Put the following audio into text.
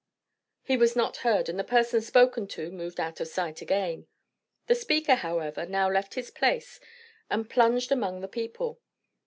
He was not heard, and the person spoken to moved out of sight again. The speaker, however, now left his place and plunged among the people.